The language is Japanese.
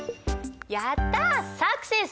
やったサクセス！